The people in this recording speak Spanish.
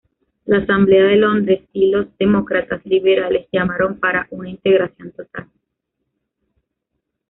La Asamblea de Londres y los Demócratas liberales llamaron para una integración total.